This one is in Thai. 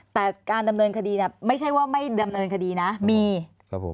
แต่การดำเนินคดีเนี่ยไม่ใช่ว่าไม่ดำเนินคดีนะมีครับผม